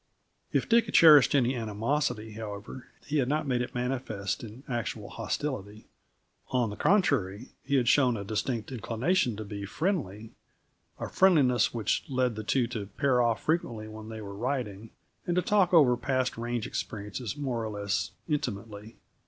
If Dick cherished any animosity, however, he had not made it manifest in actual hostility. On the contrary, he had shown a distinct inclination to be friendly; a friendliness which led the two to pair off frequently when they were riding, and to talk over past range experiences more or less intimately.